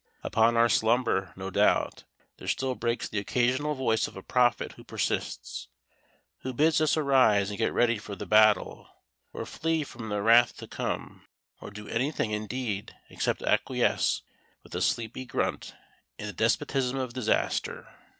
Upon our slumber, no doubt, there still breaks the occasional voice of a prophet who persists who bids us arise and get ready for the battle, or flee from the wrath to come, or do anything indeed except acquiesce with a sleepy grunt in the despotism of disaster.